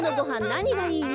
なにがいい？